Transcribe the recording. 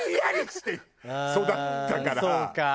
そうか。